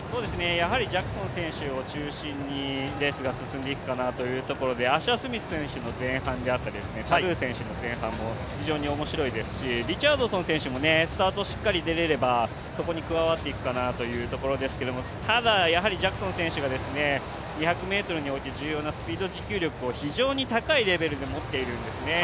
やはりジャクソン選手を中心にレースが進んでいくかなとアッシャースミス選手の前半であったり、タルー選手の前半も非常に面白いですし、リチャードソン選手もスタート、しっかり出られればそこに加わっていくかなというところですけれどもただ、やはりジャクソン選手が２００ｍにおいて重要なスピード、持久力を非常に高いレベルで持っているんですね。